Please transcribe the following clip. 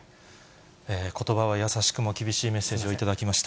ことばは優しくも厳しいメッセージを頂きました。